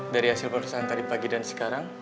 dari hasil pemeriksaan tadi pagi dan sekarang